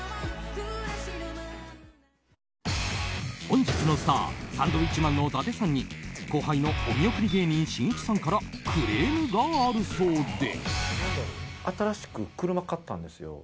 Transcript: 本日のスターサンドウィッチマンの伊達さんに後輩のお見送り芸人しんいちさんからクレームがあるそうで。